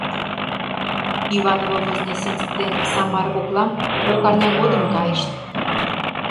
Иваново-Вознесенск ден Самар коклам кок арня годым кайышт.